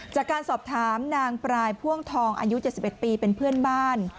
จากการสอบถามนางปลายพ่วงทองอายุ๗๑ปีเป็นเพื่อนบ้าน